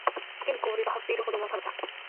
池に氷が張っているほどの寒さ